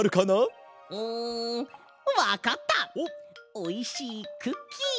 おいしいクッキー！